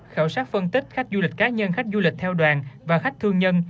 khảo sát phân tích khách du lịch cá nhân khách du lịch theo đoàn và khách thương nhân